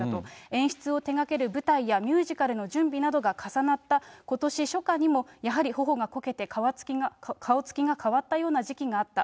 演出を手がける舞台やミュージカルの準備などが重なったことし初夏にも、やはりほおがこけて顔つきが変わったような時期があった。